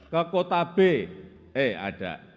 ke kota b eh ada